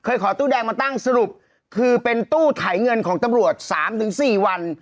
ขอตู้แดงมาตั้งสรุปคือเป็นตู้ไถเงินของตำรวจ๓๔วัน